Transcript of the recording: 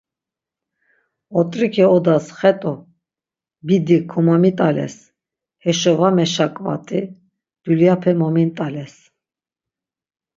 Ot̆riǩe odas xet̆u, bidi komomit̆ales, heşo va megaşǩvat̆i, dulyape momint̆ales.